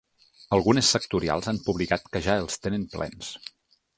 Algunes sectorials han publicat que ja els tenen plens.